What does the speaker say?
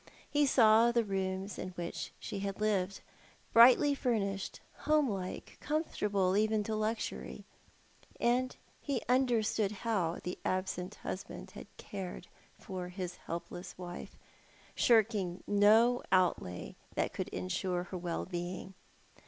He saw the rooms in which she had lived, brightly furnished, home like, comfortable even to luxury; and he understood how the absent husband had cared for his helpless wife, shirking no outlay that could ensure her well being.